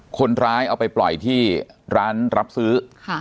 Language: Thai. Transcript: คนร้ายเอาไปปล่อยที่ร้านรับซื้อ